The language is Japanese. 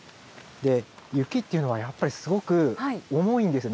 雪っていうのはやっぱりすごく重いんですよね。